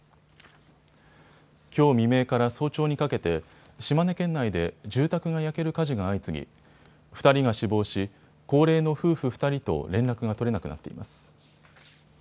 きょう未明から早朝にかけて島根県内で住宅が焼ける火事が相次ぎ２人が死亡し高齢の夫婦２人と連絡が取れなくなっています。